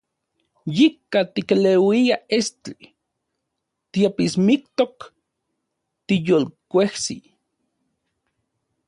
Yika tikeleuia estli, tiapismiktok, tiyolkuejsi.